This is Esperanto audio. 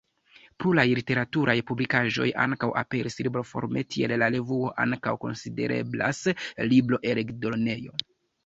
Pluraj literaturaj publikaĵoj ankaŭ aperis libroforme, tiel ke la revuo ankaŭ konsidereblas libroeldonejo.